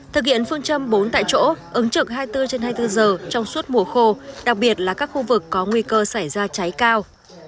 thực hiện phương châm bốn tại chỗ ứng trực hai mươi bốn trên hai mươi bốn giờ trong suốt mùa khô đặc biệt là các khu vực có nguy cơ xảy ra cháy cao